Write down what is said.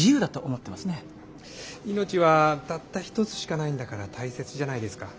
命はたった一つしかないんだから大切じゃないですか。